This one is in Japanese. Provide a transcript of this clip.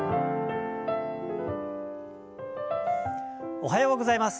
おはようございます。